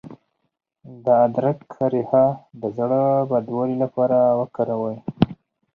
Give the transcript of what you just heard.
د ادرک ریښه د زړه بدوالي لپاره وکاروئ